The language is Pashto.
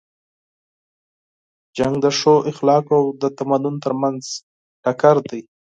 جنګ د ښو اخلاقو او د تمدن تر منځ ټکر دی.